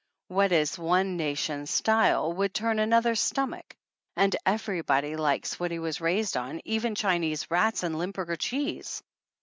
What is one nation's style would turn another's stom ach ; and everybody likes what he was raised on, even Chinese rats and Limburger cheese.